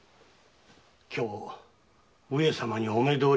今日上様にお目通りを致した。